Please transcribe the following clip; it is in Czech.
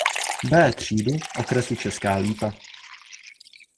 B třídu okresu Česká Lípa.